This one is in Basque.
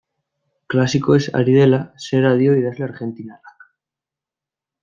Klasikoez ari dela, zera dio idazle argentinarrak.